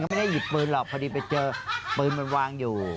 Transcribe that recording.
ไม่ได้หยิบปืนหรอกพอดีไปเจอปืนมันวางอยู่